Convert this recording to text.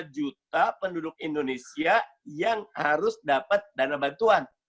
dua juta penduduk indonesia yang harus dapat dana bantuan